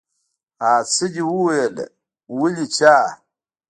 آ څه دې وويلې ولې چا.